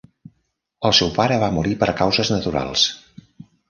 El seu pare va morir per causes naturals.